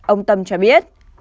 ông tâm cho biết